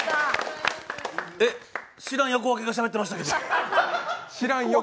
知らん横分けがしゃべってましたけど。